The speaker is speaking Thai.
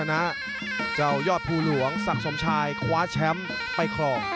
ซึ่งเป็นฝ่ายเอาชนะเจ้ายอดภูหลวงศักดิ์สมชายคว้าแชมป์ไปครอง